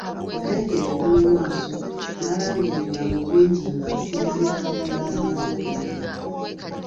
Yalengera eby'omu maaso, n'alanga ebigambo bingi ng'asinziira ku bye yali amaze okuyiga.